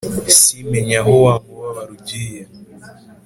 simenya aho wa mubabaro ugiye!”